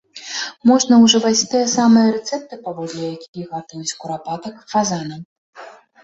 Можна ўжываць тыя самыя рэцэпты, паводле якіх гатуюць курапатак, фазанаў.